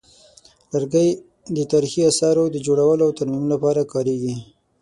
لرګي د تاریخي اثارو د جوړولو او ترمیم لپاره کارېږي.